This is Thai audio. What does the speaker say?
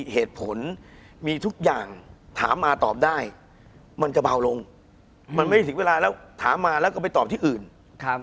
คุณผู้ชมบางท่าอาจจะไม่เข้าใจที่พิเตียร์สาร